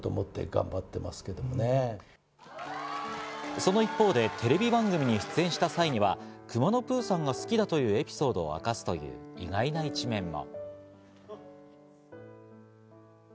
その一方でテレビ番組に出演した際にはくまのプーさんが好きだというエピソードを明かすという意外な一面も。